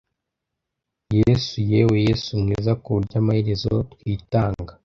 Yesu yewe Yesu mwiza kuburyo amaherezo twitanga